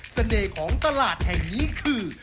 เสน่ห์ของตลาดแห่งนี้คือ